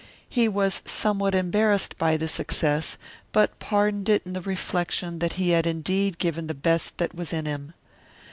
He was somewhat embarrassed by this excess, but pardoned it in the reflection that he had indeed given the best that was in him.